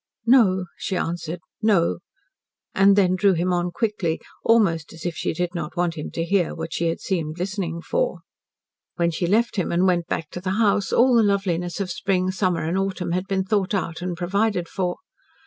"No," she answered, "no." And drew him on quickly almost as if she did not want him to hear what she had seemed listening for. When she left him and went back to the house, all the loveliness of spring, summer and autumn had been thought out and provided for.